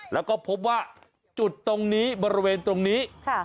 แล้วก็พบว่าจุดตรงนี้บริเวณตรงนี้